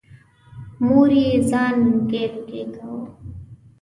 مور یې ځان لوګی لوګی کاوه.